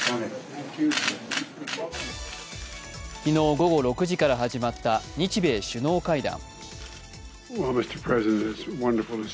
昨日、午後６時から始まった日米首脳会談。